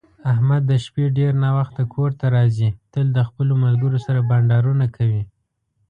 احمد د شپې ډېر ناوخته کورته راځي، تل د خپلو ملگرو سره بنډارونه کوي.